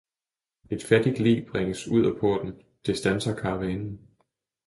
et fattigt lig bringes ud af porten, det standser karavanen.